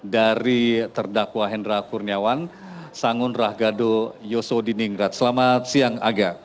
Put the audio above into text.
dari terdakwa hendra kurniawan sangun rahgado yosodiningrat selamat siang aga